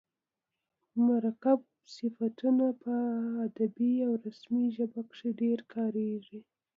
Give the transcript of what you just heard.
مرکب صفتونه په ادبي او رسمي ژبه کښي ډېر کاریږي.